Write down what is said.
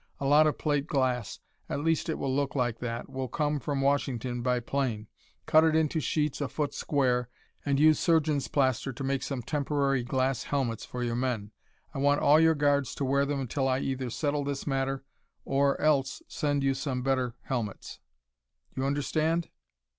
A lot of plate glass at least it will look like that will come from Washington by plane. Cut it into sheets a foot square and use surgeon's plaster to make some temporary glass helmets for your men. I want all your guards to wear them until I either settle this matter or else send you some better helmets. Do you understand?"